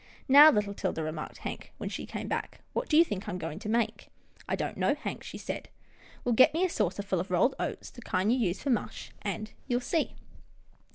" Now little 'Tilda," remarked Hank, when she 150 'TILDA JANE'S ORPHANS came back, " what do you think I am going to make?" " I don't know, Hank," she said. " Well, get me a saucer full of rolled oats, the kind you use for mush, and you'll see."